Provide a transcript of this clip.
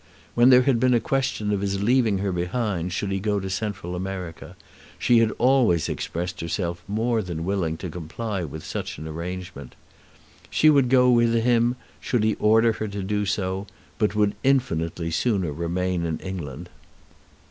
When there had been a question of his leaving her behind, should he go to Central America, she had always expressed herself more than willing to comply with such an arrangement. She would go with him should he order her to do so, but would infinitely sooner remain in England.